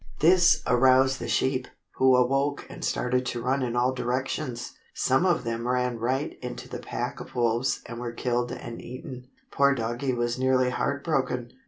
This aroused the sheep, who awoke and started to run in all directions. Some of them ran right into the pack of wolves and were killed and eaten. Poor Doggie was nearly heart broken.